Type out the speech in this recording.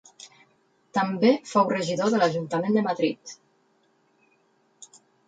També fou regidor de l'ajuntament de Madrid.